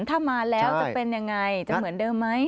ถ้ามาแล้วจะเป็นยังไงจะเหมือนเดิมไหม